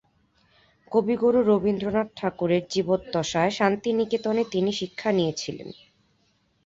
কবিগুরু রবীন্দ্রনাথ ঠাকুরের জীবদ্দশায় শান্তিনিকেতনে তিনি শিক্ষা নিয়েছিলেন।